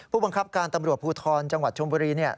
ผู้บังคับการตำรวจภูทรจังหวัดชมบุรีเนี่ย